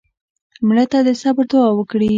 مړه ته د صبر دوعا وکړې